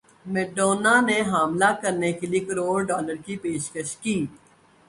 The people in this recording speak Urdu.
میڈونا نے حاملہ کرنے کیلئے کروڑ ڈالر کی پیشکش کی